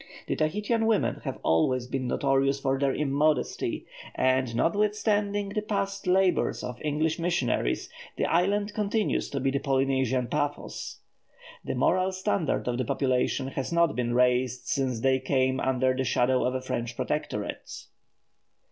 The Tahitian women have always been notorious for their immodesty; and notwithstanding the past labours of English missionaries, the island continues to be the Polynesian Paphos. The moral standard of the population has not been raised since they came under the shadow of a French protectorate.